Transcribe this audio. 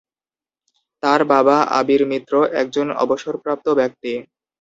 তাঁর বাবা আবির মিত্র একজন অবসরপ্রাপ্ত ব্যক্তি।